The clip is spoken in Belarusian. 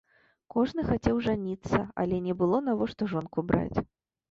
Кожны хацеў жаніцца, але не было навошта жонку браць.